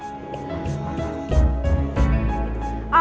yang terjadi adalah yang akan terjadi